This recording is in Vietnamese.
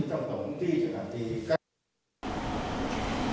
chào tạm biệt các bạn